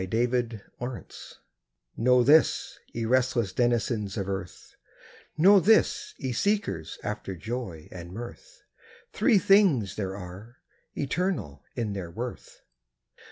THREE THINGS Know this, ye restless denizens of earth, Know this, ye seekers after joy and mirth, Three things there are, eternal in their worth.